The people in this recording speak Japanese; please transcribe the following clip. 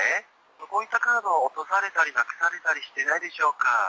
こういったカードを落とされたり、なくされたりしてないでしょうか？